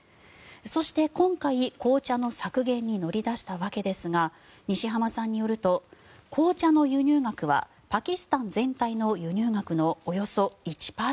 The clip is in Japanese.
そして、今回、紅茶の削減に乗り出したわけですが西濱さんによると紅茶の輸入額はパキスタン全体の輸入額のおよそ１％。